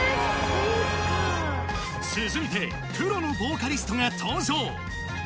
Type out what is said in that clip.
続いて、プロのヴォーカリストが登場。